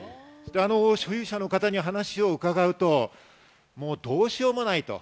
所有者の方に話を伺うと、どうしようもないと。